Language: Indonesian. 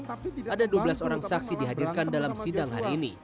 ada dua belas orang saksi dihadirkan dalam sidang hari ini